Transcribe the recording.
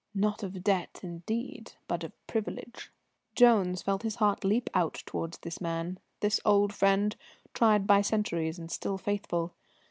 "Not of debt, indeed, but of privilege." Jones felt his heart leap out towards this man, this old friend, tried by centuries and still faithful.